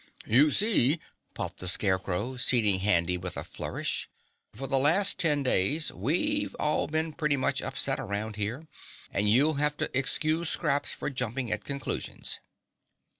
"You see," puffed the Scarecrow, seating Handy with a flourish, "for the last ten days we've all been pretty much upset around here and you'll have to excuse Scraps for jumping at conclusions."